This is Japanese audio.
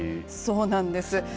そうなんです。